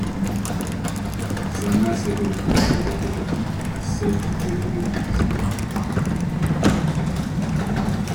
Sa masse est reliée par les mathématiques à celle du boson de Higgs.